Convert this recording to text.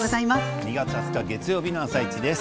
２月２０日のあさイチです。